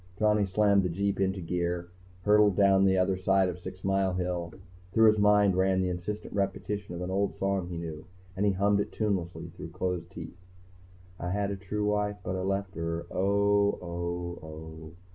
Johnny slammed the jeep into gear, hurtled down the other side of Six Mile Hill. Through his mind ran the insistent repetition of an old song he knew, and he hummed it tunelessly through closed teeth. _I had a true wife but I left her ... oh, oh, oh.